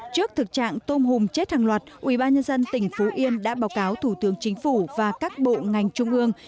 trước thực trạng tôm hùm chết hàng loạt ubnd tỉnh phú yên đã báo cáo thủ tướng chính phủ và các bộ ngành trung ương